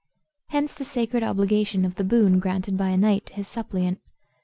Hence the sacred obligation of the boon granted by a knight to his suppliant.